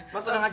mas raka enggas